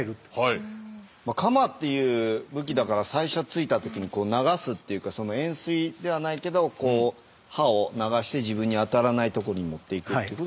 鎌っていう武器だから最初突いた時に流すっていうか円錐ではないけどこう刃を流して自分に当たらないとこに持っていくっていうことができるってことですね。